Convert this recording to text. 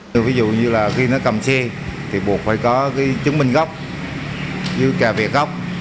như là khi nó cầm xe thì buộc phải có cái chứng minh góc như cà vẹt góc